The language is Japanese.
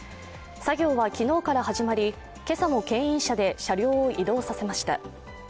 作業は昨日から始まり、今朝も牽引車で車両を移動させました。